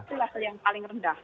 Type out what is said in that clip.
itu level yang paling rendah